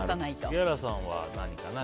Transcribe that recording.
杉原さんは何かな。